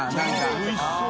おいしそう！